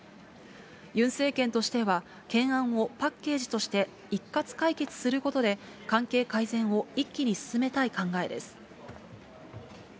ユン政権としては、懸案をパッケージとして一括解決することで、関係改善を一気に進めたい考えです。